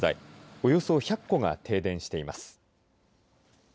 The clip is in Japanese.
およそ１００戸が停電しています。